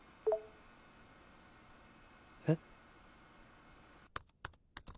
えっ？